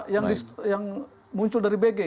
yang muncul dari bg